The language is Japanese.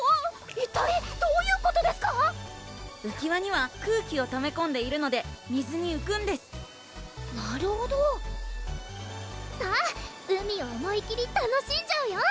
一体どういうことですか⁉うき輪には空気をためこんでいるので水にうくんですなるほどさぁ海を思いきり楽しんじゃうよ！